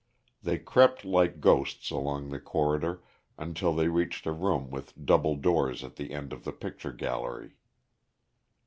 They crept like ghosts along the corridor until they reached a room with double doors at the end of the picture gallery.